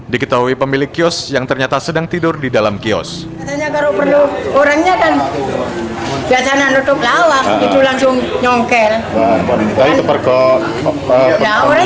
diketahui pemilik kios yang ternyata sedang tidur di dalam kios